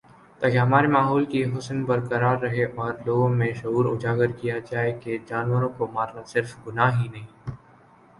تاکہ ہمارے ماحول کی حسن برقرار رہے اور لوگوں میں شعور اجاگر کیا جائے کہ جانوروں کو مار نا صرف گناہ ہی نہیں